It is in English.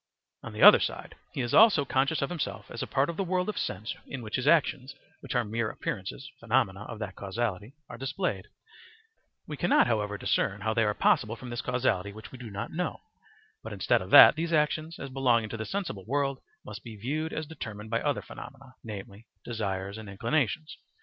On the other side he is also conscious of himself as a part of the world of sense in which his actions, which are mere appearances [phenomena] of that causality, are displayed; we cannot, however, discern how they are possible from this causality which we do not know; but instead of that, these actions as belonging to the sensible world must be viewed as determined by other phenomena, namely, desires and inclinations.